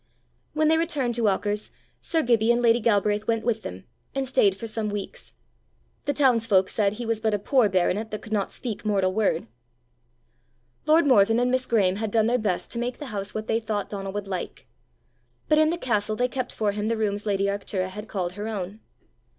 When they returned to Auchars, sir Gibbie and lady Galbraith went with them, and staid for some weeks. The townsfolk said he was but a poor baronet that could not speak mortal word. Lord Morven and Miss Graeme had done their best to make the house what they thought Donal would like. But in the castle they kept for him the rooms lady Arctura had called her own.